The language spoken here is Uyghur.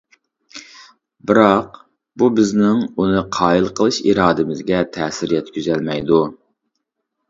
بىراق، بۇ بىزنىڭ ئۇنى قايىل قىلىش ئىرادىمىزگە تەسىر يەتكۈزەلمەيدۇ.